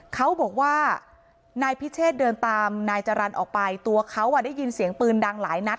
เขาบอกว่านายพิเชษเดินตามนายจรรย์ออกไปตัวเขาได้ยินเสียงปืนดังหลายนัด